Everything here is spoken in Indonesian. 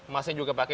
masih juga pakai